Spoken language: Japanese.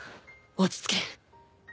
落ち着け